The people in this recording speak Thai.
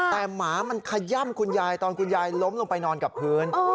แต่หมามันขย่ำคุณยายตอนคุณยายล้มลงไปนอนกับพื้น